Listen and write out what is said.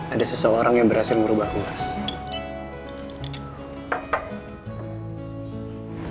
ada seseorang yang berhasil ngerubah gue